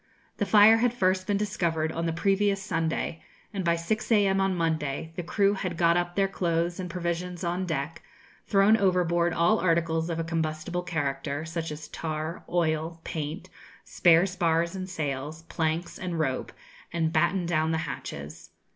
The fire had first been discovered on the previous Sunday, and by 6 a.m. on Monday the crew had got up their clothes and provisions on deck, thrown overboard all articles of a combustible character, such as tar, oil, paint, spare spars and sails, planks, and rope, and battened down the hatches.